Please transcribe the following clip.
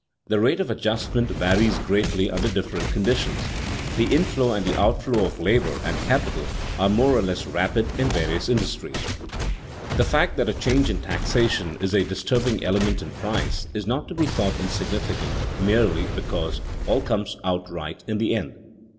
The rate of adjustment varies greatly under different conditions. The inflow and the outflow of labor and capital are more or less rapid in the various industries. [Sidenote: Many personal incomes affected] The fact that a change in taxation is a disturbing element in price is not to be thought insignificant merely because "all comes out right in the end."